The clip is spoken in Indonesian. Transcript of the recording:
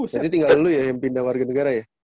jadi tinggal lu ya yang pindah warga negara ya